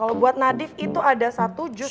kalau buat nadief itu ada satu jus